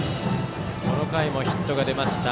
この回もヒットが出ました。